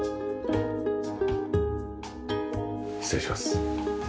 失礼します。